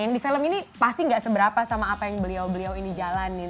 yang di film ini pasti gak seberapa sama apa yang beliau beliau ini jalanin